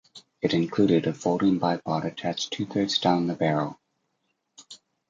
It included a folding bipod attached two-thirds down the barrel.